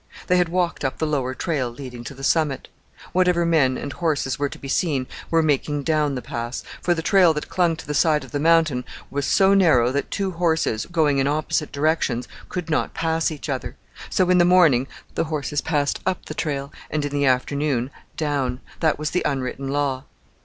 They had walked up the lower trail leading to the summit. Whatever men and horses were to be seen were making down the Pass, for the trail that clung to the side of the mountain was so narrow that two horses, going in opposite directions, could not pass each other; so in the morning the horses passed up the trail, and in the afternoon down. That was the unwritten law.